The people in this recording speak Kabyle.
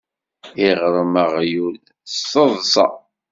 Iɣṛem aɣyul, s teḍṣa.